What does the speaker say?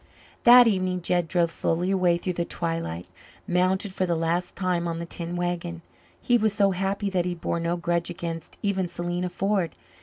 That evening Jed drove slowly away through the twilight, mounted for the last time on the tin wagon. He was so happy that he bore no grudge against even Selena Ford.